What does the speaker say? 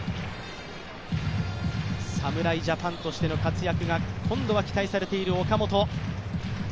侍ジャパンとしての活躍が今度は期待されている岡本。